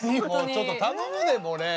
ちょっと頼むでもう廉。